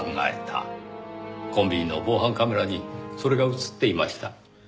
コンビニの防犯カメラにそれが映っていました。